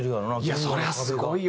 そりゃすごいよ。